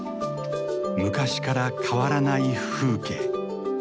昔から変わらない風景。